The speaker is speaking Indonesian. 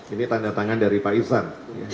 ini tanda tangan dari pak irsan